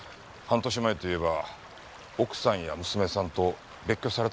半年前といえば奥さんや娘さんと別居された頃ですね。